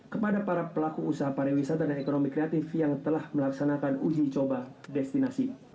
kepada para pelaku usaha pariwisata dan ekonomi kreatif yang telah melaksanakan uji coba destinasi